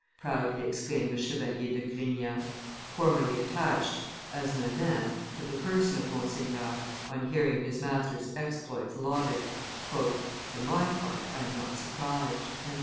proudly exclaimed the Chevalier de Grignan, formerly attached (as menin) to the person of Monseigneur, on hearing his master's exploits lauded; "for my part, I am not surprised."